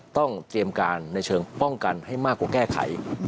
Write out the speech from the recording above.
ต้องเตรียมการในเชิงป้องกันให้มากกว่าแก้ไข